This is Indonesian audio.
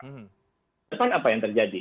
ke depan apa yang terjadi